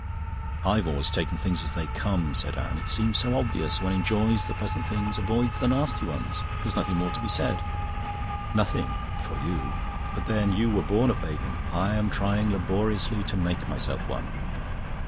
"I've always taken things as they come," said Anne. "It seems so obvious. One enjoys the pleasant things, avoids the nasty ones. There's nothing more to be said." "Nothing for you. But, then, you were born a pagan; I am trying laboriously to make myself one.